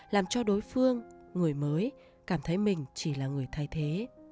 làm cho đối phương người mới cảm thấy mình chỉ là người thay thế